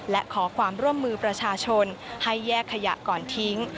และขอความร่วมมือประชาชนให้แยกขยะก่อนทิ้ง